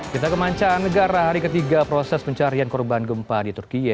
kita kemanca negara hari ketiga proses pencarian korban gempa di turkiye